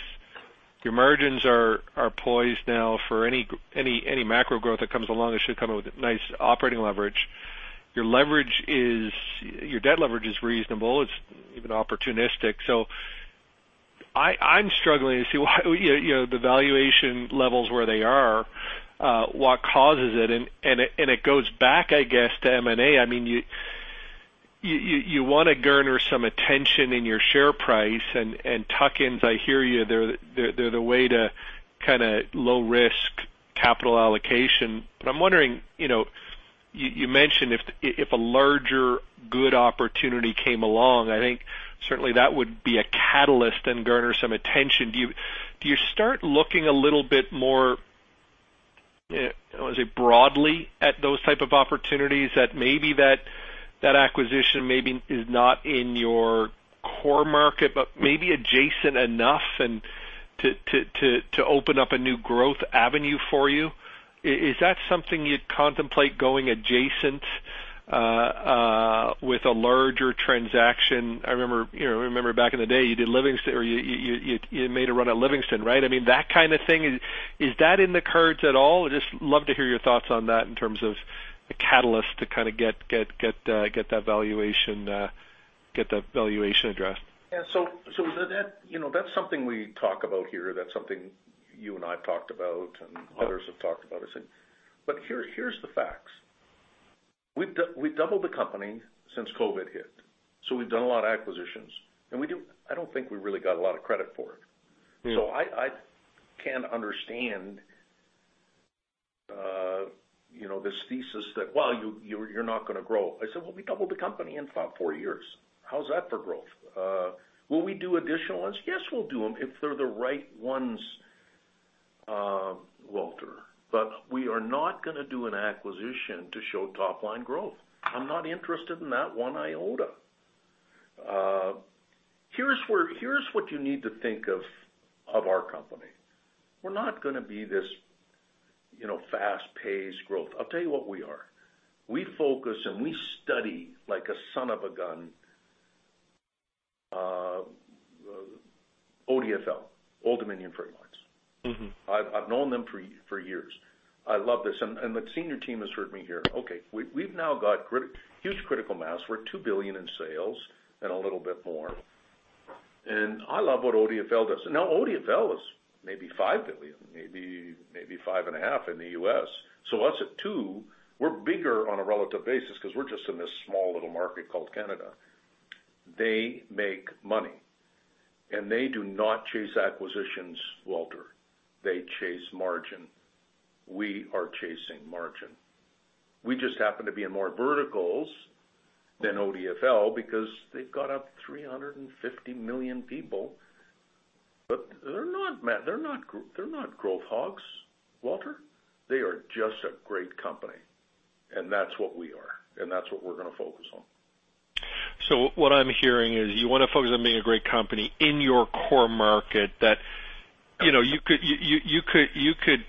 Your margins are poised now for any macro growth that comes along, it should come up with nice operating leverage. Your debt leverage is reasonable. It's even opportunistic. So I'm struggling to see why, you know, the valuation levels where they are, what causes it, and it goes back, I guess, to M&A. I mean, you wanna garner some attention in your share price and tuck-ins, I hear you, they're the way to kind of low risk capital allocation. But I'm wondering, you know, you mentioned if a larger, good opportunity came along, I think certainly that would be a catalyst and garner some attention. Do you start looking a little bit more, I would say, broadly at those type of opportunities, that maybe that acquisition maybe is not in your core market, but maybe adjacent enough and to open up a new growth avenue for you? Is that something you'd contemplate going adjacent with a larger transaction? I remember, you know, I remember back in the day, you did Livingston, or you made a run at Livingston, right? I mean, that kind of thing. Is that in the cards at all? I just love to hear your thoughts on that in terms of a catalyst to kind of get that valuation addressed. Yeah, so that, you know, that's something we talk about here. That's something you and I have talked about, and others have talked about this. But here, here's the facts: We've doubled the company since COVID hit, so we've done a lot of acquisitions, and I don't think we really got a lot of credit for it. Mm. So I can understand, you know, this thesis that, well, you're not gonna grow. I said, "Well, we doubled the company in about four years. How's that for growth?" Will we do additional ones? Yes, we'll do them if they're the right ones, Walter, but we are not going to do an acquisition to show top line growth. I'm not interested in that one iota. Here's what you need to think of our company. We're not going to be this, you know, fast-paced growth. I'll tell you what we are. We focus and we study like a son of a gun, ODFL, Old Dominion Freight Line. Mm-hmm. I've known them for years. I love this, and the senior team has heard me here. Okay, we've now got huge critical mass. We're 2 billion in sales and a little bit more. And I love what ODFL does. Now, ODFL is maybe $5 billion, maybe $5.5 billion in the US. So us at 2 billion, we're bigger on a relative basis because we're just in this small little market called Canada. They make money, and they do not chase acquisitions, Walter. They chase margin. We are chasing margin. We just happen to be in more verticals than ODFL because they've got up 350 million people, but they're not growth hogs, Walter. They are just a great company, and that's what we are, and that's what we're going to focus on. So what I'm hearing is you want to focus on being a great company in your core market that, you know, you could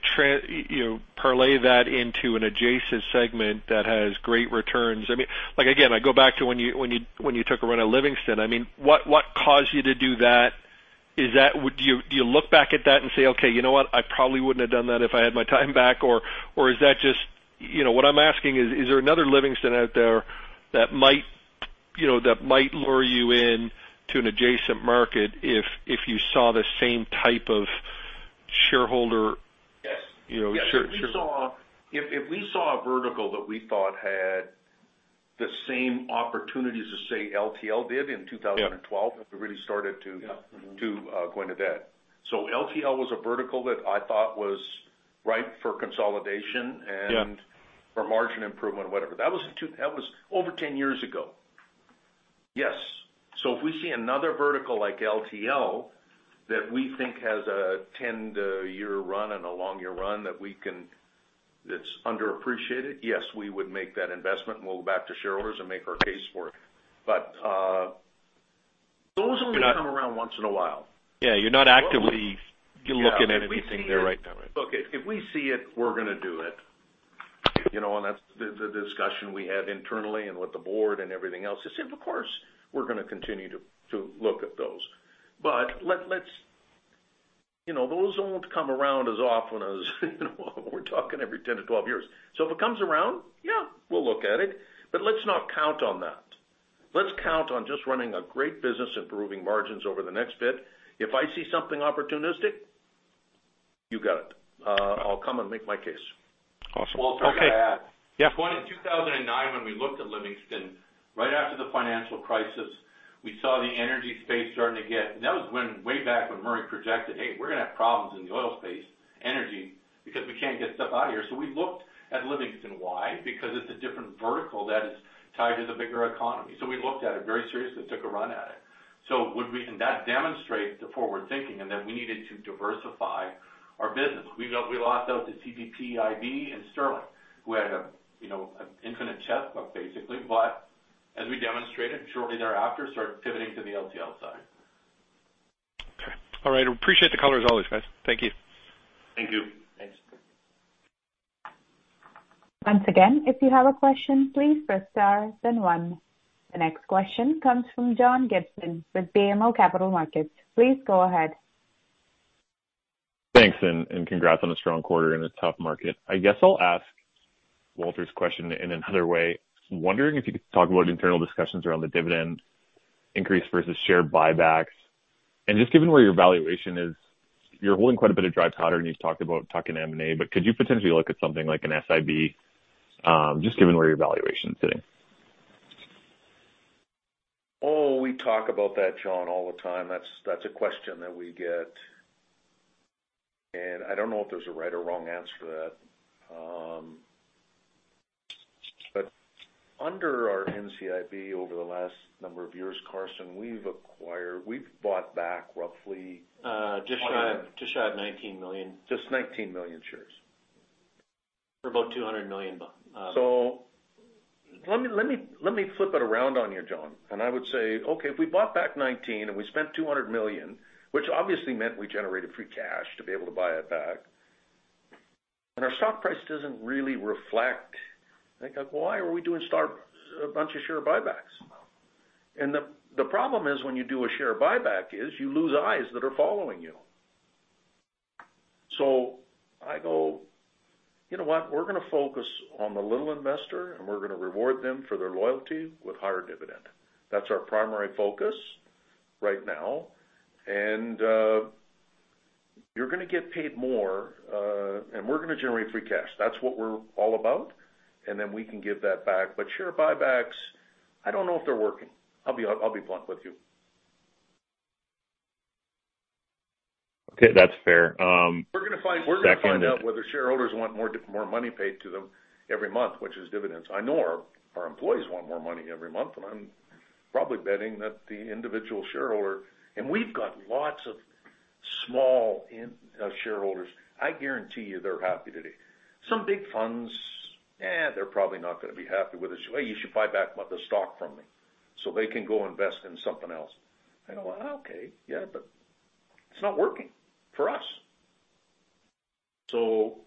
parlay that into an adjacent segment that has great returns. I mean, like, again, I go back to when you took a run at Livingston. I mean, what caused you to do that? Is that—would you do you look back at that and say, "Okay, you know what? I probably wouldn't have done that if I had my time back," or is that just... You know, what I'm asking is, is there another Livingston out there that might, you know, that might lure you in to an adjacent market if you saw the same type of shareholder? Yes. You know, share- If we saw a vertical that we thought had the same opportunities as, say, LTL did in 2012- Yeah. -we really started to go into that. So LTL was a vertical that I thought was ripe for consolidation and- Yeah For margin improvement, whatever. That was in two-- that was over 10 years ago. Yes. So if we see another vertical like LTL, that we think has a 10-year run and a longer run that we can-- that's underappreciated, yes, we would make that investment, and we'll go back to shareholders and make our case for it. But, those only come around once in a while. Yeah, you're not actively looking at anything there right now. Look, if we see it, we're going to do it. You know, and that's the discussion we had internally and with the board and everything else. It's, of course, we're going to continue to look at those. But let's, you know, those won't come around as often as, you know, we're talking every 10-12 years. So if it comes around, yeah, we'll look at it, but let's not count on that. Let's count on just running a great business, improving margins over the next bit. If I see something opportunistic, you got it. I'll come and make my case. Awesome. Walter, can I add? Yeah. In 2009, when we looked at Livingston, right after the financial crisis, we saw the energy space starting to get... And that was when, way back when Murray projected, "Hey, we're going to have problems in the oil space, energy, because we can't get stuff out of here." So we looked at Livingston. Why? Because it's a different vertical that is tied to the bigger economy. So we looked at it very seriously, took a run at it. So would we-- and that demonstrates the forward thinking and that we needed to diversify our business. We lost out to CPPIB and Sterling, who had a, you know, an infinite checkbook, basically. But as we demonstrated shortly thereafter, started pivoting to the LTL side. Okay. All right, appreciate the color as always, guys. Thank you. Thank you. Thanks. Once again, if you have a question, please press Star, then One. The next question comes from John Gibson with BMO Capital Markets. Please go ahead. Thanks, and congrats on a strong quarter in a tough market. I guess I'll ask Walter's question in another way. Wondering if you could talk about internal discussions around the dividend increase versus share buybacks. And just given where your valuation is, you're holding quite a bit of dry powder, and you've talked about talking M&A, but could you potentially look at something like an SIB, just given where your valuation is sitting? Oh, we talk about that, John, all the time. That's, that's a question that we get, and I don't know if there's a right or wrong answer to that. But under our NCIB over the last number of years, Carson, we've acquired-- we've bought back roughly- Just shy of, just shy of 19 million. Just 19 million shares. For about 200 million. So let me flip it around on you, John. And I would say, okay, if we bought back 19 and we spent 200 million, which obviously meant we generated free cash to be able to buy it back, and our stock price doesn't really reflect, like, why are we doing a bunch of share buybacks? And the problem is when you do a share buyback is you lose eyes that are following you. So I go: You know what? We're going to focus on the little investor, and we're going to reward them for their loyalty with higher dividend. That's our primary focus right now, and you're going to get paid more, and we're going to generate free cash. That's what we're all about, and then we can give that back. But share buybacks, I don't know if they're working. I'll be, I'll be blunt with you. Okay, that's fair. Second- We're going to find out whether shareholders want more money paid to them every month, which is dividends. I know our employees want more money every month, and I'm probably betting that the individual shareholder. And we've got lots of small individual shareholders, I guarantee you they're happy today. Some big funds, eh, they're probably not gonna be happy with us. "Hey, you should buy back the stock from me," so they can go invest in something else. And well, okay. Yeah, but it's not working for us. So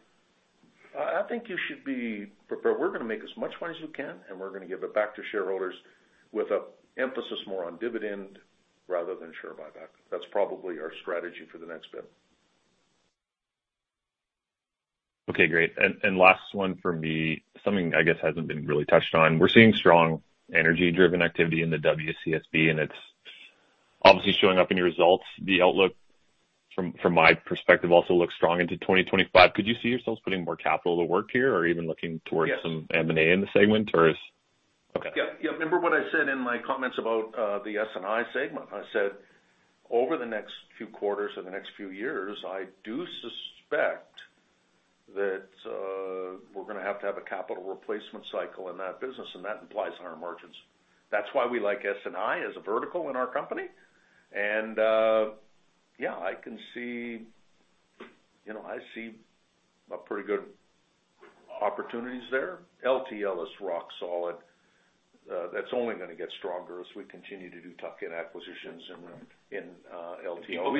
I think you should be prepared. We're gonna make as much money as we can, and we're gonna give it back to shareholders with an emphasis more on dividend rather than share buyback. That's probably our strategy for the next bit. Okay, great. And, and last one for me, something I guess hasn't been really touched on. We're seeing strong energy-driven activity in the WCSB, and it's obviously showing up in your results. The outlook from, from my perspective, also looks strong into 2025. Could you see yourselves putting more capital to work here or even looking towards- Yes... some M&A in the segment, or is-- Okay. Yeah, yeah. Remember what I said in my comments about the S&A segment? I said, over the next few quarters or the next few years, I do suspect that we're gonna have to have a capital replacement cycle in that business, and that implies higher margins. That's why we like S&A as a vertical in our company. And yeah, I can see, you know, I see a pretty good opportunities there. LTL is rock solid. That's only gonna get stronger as we continue to do tuck-in acquisitions in LTL.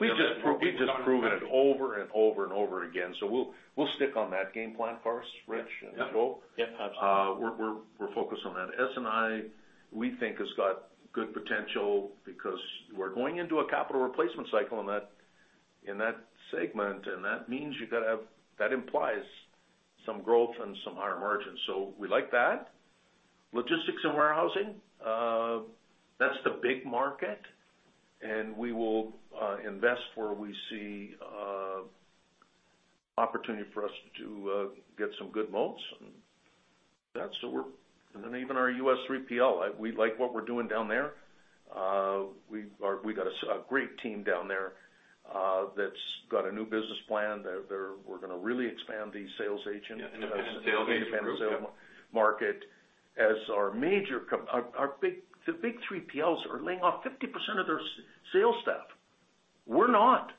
We've just proven it over and over and over again, so we'll stick on that game plan for us, Rich and Joe. Yeah, absolutely. We're focused on that. S&A, we think, has got good potential because we're going into a capital replacement cycle in that, in that segment, and that means you've got to have... That implies some growth and some higher margins, so we like that. Logistics and warehousing, that's the big market, and we will invest where we see opportunity for us to get some good moats. And that's so we're- And then even our U.S. 3PL, I- we like what we're doing down there. We are, we got a great team down there, that's got a new business plan. They're, they're- we're gonna really expand the sales agent- Independent sales agent. Independent sales market as our major co- Our, our big, the big 3PLs are laying off 50% of their sales staff. We're not,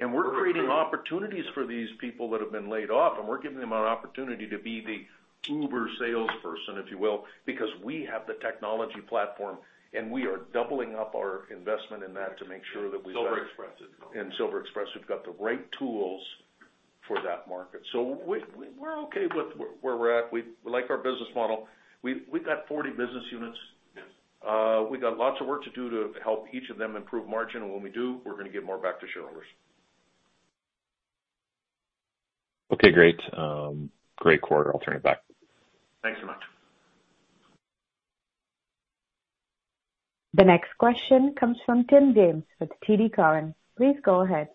and we're creating opportunities for these people that have been laid off, and we're giving them an opportunity to be the uber salesperson, if you will, because we have the technology platform, and we are doubling up our investment in that to make sure that we've got Silver Express. And Silver Express. We've got the right tools for that market. So we're okay with where we're at. We like our business model. We've got 40 business units. Yes. We've got lots of work to do to help each of them improve margin, and when we do, we're gonna give more back to shareholders. Okay, great. Great quarter. I'll turn it back. Thanks so much. The next question comes from Tim James with TD Cowen. Please go ahead.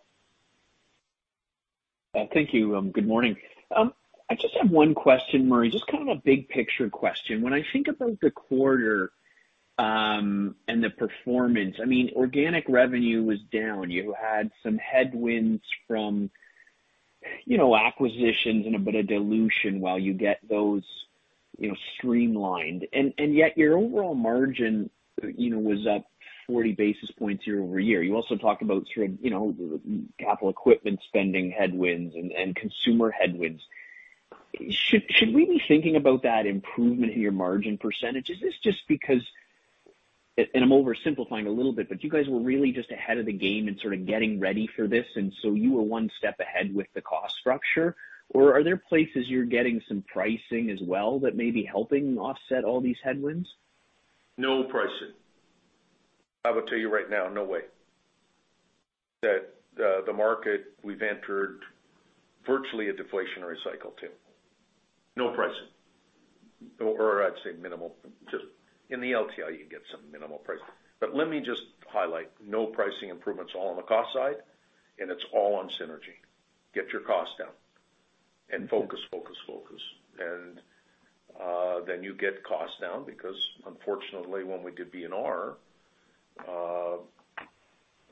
Thank you. Good morning. I just have one question, Murray, just kind of a big picture question. When I think about the quarter, and the performance, I mean, organic revenue was down. You had some headwinds from, you know, acquisitions and a bit of dilution while you get those, you know, streamlined. And yet your overall margin, you know, was up 40 basis points year-over-year. You also talked about sort of, you know, capital equipment spending headwinds and consumer headwinds. Should we be thinking about that improvement in your margin percentage? Is this just because... And I'm oversimplifying a little bit, but you guys were really just ahead of the game in sort of getting ready for this, and so you were one step ahead with the cost structure? Or are there places you're getting some pricing as well that may be helping offset all these headwinds? No pricing. I will tell you right now, no way, that, the market we've entered, virtually a deflationary cycle, Tim. No pricing, or I'd say minimal. Just in the LTL, you get some minimal pricing. But let me just highlight, no pricing improvements all on the cost side, and it's all on synergy. Get your costs down and focus, focus, focus. And, then you get costs down because unfortunately, when we did B&R, I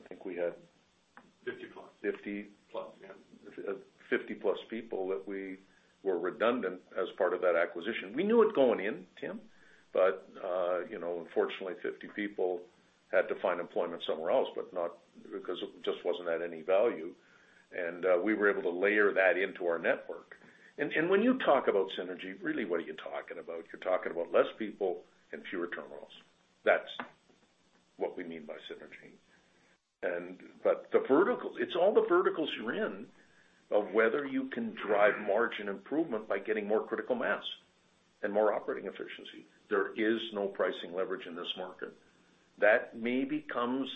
think we had—50 plus. 50—plus, yeah. 50 plus people that we were redundant as part of that acquisition. We knew it going in, Tim, but, you know, unfortunately, 50 people had to find employment somewhere else, but not—because it just wasn't at any value. And, we were able to layer that into our network. And, and when you talk about synergy, really, what are you talking about? You're talking about less people and fewer terminals. That's what we mean by synergy. And, but the verticals, it's all the verticals you're in of whether you can drive margin improvement by getting more critical mass and more operating efficiency. There is no pricing leverage in this market. That maybe comes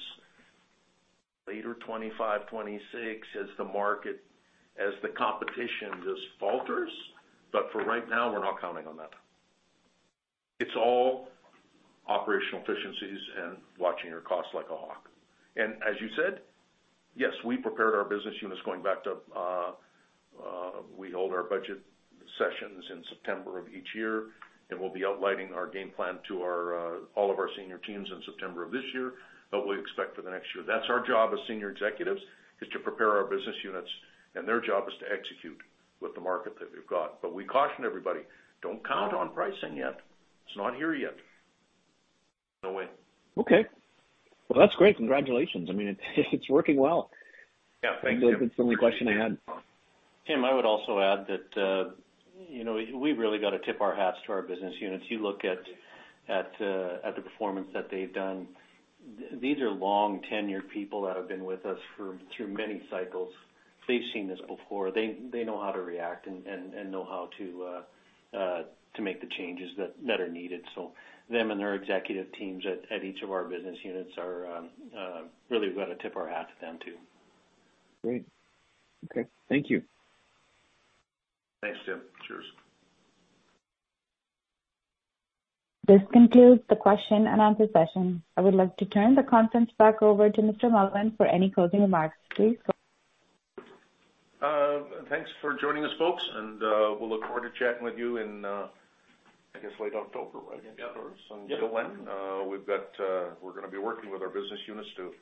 later 2025, 2026, as the market, as the competition just falters, but for right now, we're not counting on that. It's all operational efficiencies and watching your costs like a hawk. And as you said, yes, we prepared our business units going back to we hold our budget sessions in September of each year, and we'll be outlining our game plan to our all of our senior teams in September of this year, what we expect for the next year. That's our job as senior executives, is to prepare our business units, and their job is to execute with the market that we've got. But we caution everybody, don't count on pricing yet. It's not here yet. No way. Okay. Well, that's great. Congratulations. I mean, it's working well. Yeah. Thank you. That's the only question I had. Tim, I would also add that, you know, we've really got to tip our hats to our business units. You look at the performance that they've done, these are long-tenured people that have been with us through many cycles. They've seen this before. They know how to react and know how to make the changes that are needed. So them and their executive teams at each of our business units are really we've got to tip our hat to them, too. Great. Okay. Thank you. Thanks, Tim. Cheers. This concludes the question and answer session. I would like to turn the conference back over to Mr. Mullen for any closing remarks. Please go ahead. Thanks for joining us, folks, and we'll look forward to chatting with you in, I guess, late October, right? Yeah. Of course. And until then, we've got, we're gonna be working with our business units to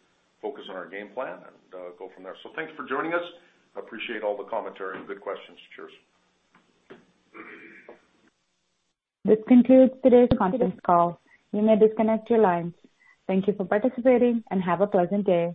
focus on our game plan and go from there. So thank you for joining us. Appreciate all the commentary and good questions. Cheers. This concludes today's conference call. You may disconnect your lines. Thank you for participating, and have a pleasant day.